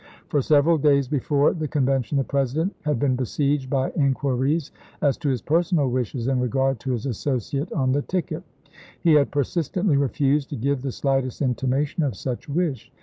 For several days before the Con vention the President had been besieged by in quiries as to his personal wishes in regard to his associate on the ticket. He had persistently refused to give the slightest intimation of such wish.